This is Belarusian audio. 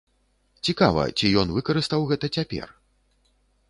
Цікава, ці ён выкарыстаў гэта цяпер.